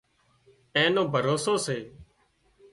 اين نو ڀروسو سي